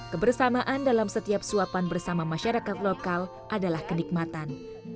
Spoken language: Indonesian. kebersamaan dalam setiap suapan bersama masyarakat lokal adalah kenikmatan